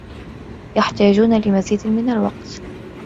يحتاجون لمزيد من الوقت.